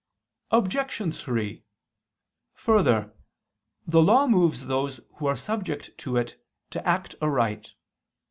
Obj. 3: Further, the law moves those who are subject to it to act aright.